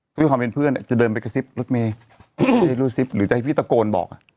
ด้วยความเป็นเพื่อนจะเดินไปกระซิบรถเมย์ไม่รู้ซิบหรือจะให้พี่ตะโกนบอกอ่ะ